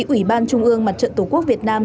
ủy ban trung ương mặt trận tổ quốc việt nam